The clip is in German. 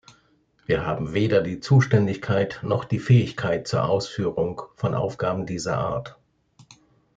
Wir haben weder die Zuständigkeit noch die Fähigkeit zur Ausführung von Aufgaben dieser Art.